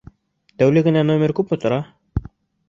Тәүлегенә номер күпме тора?